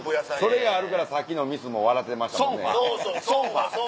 それがあるからさっきのミスも笑ってましたもんね。